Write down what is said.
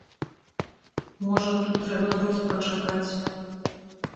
Можа, тут трэба трохі пачакаць.